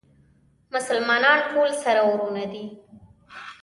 مسلمانان ټول سره وروڼه دي